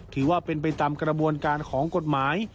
ถือว่าเป็นไปตามกระบวนการของกฎหมาย